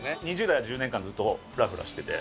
２０代は１０年間ずっとフラフラしてて。